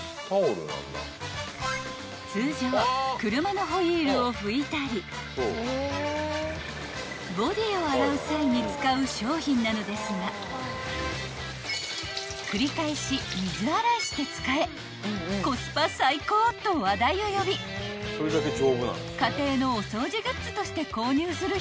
［通常車のホイールを拭いたりボディーを洗う際に使う商品なのですが繰り返し水洗いして使え「コスパ最高」と話題を呼び家庭のお掃除グッズとして購入する人が多いんだそう］